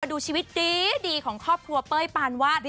ดูชีวิตดีของครอบครัวเป้ยปานวาด